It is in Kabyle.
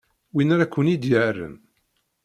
Win ara ken-i d-yerren.